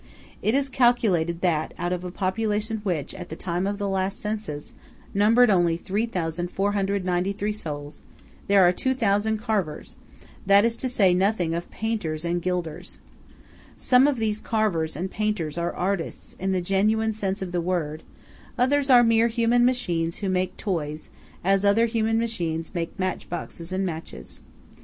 It is calculated that out of a population which, at the time of the last Census, numbered only 3493 souls, there are two thousand carvers–to say nothing of painters and gilders. Some of these carvers and painters are artists, in the genuine sense of the word; others are mere human machines who make toys, as other human machines make match boxes and matches.